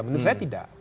menurut saya tidak